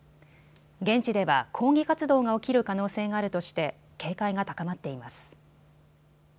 現地では抗議活動が起きる可能性があるとして警戒が高まっています。